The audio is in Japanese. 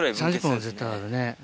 ３０本は絶対あるね。